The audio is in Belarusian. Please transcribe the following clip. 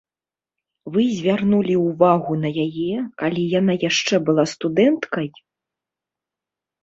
Вы звярнулі ўвагу на яе, калі яна яшчэ была студэнткай?